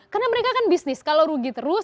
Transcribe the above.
karena mereka kan bisnis kalau rugi terus